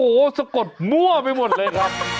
โอ้โหสะกดมั่วไปหมดเลยครับ